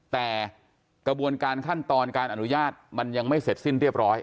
แต่กระบวนการขั้นตอนการอนุญาตมันยังไม่เสร็จสิ้นเรียบร้อย